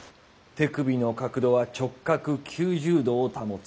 手首の角度は直角９０°を保つ。